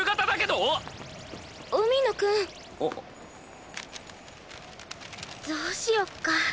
どうしよっか。